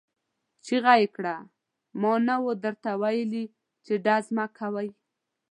چيغه يې کړه! ما نه وو درته ويلي چې ډزې مه کوئ!